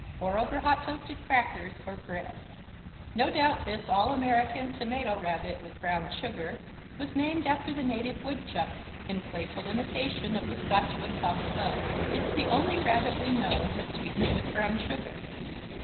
Pour over hot toasted crackers or bread. No doubt this all American Tomato Rabbit with brown sugar was named after the native woodchuck, in playful imitation of the Scotch Woodcock above. It's the only Rabbit we know that's sweetened with brown sugar.